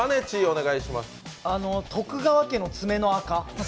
徳川家の爪のあか。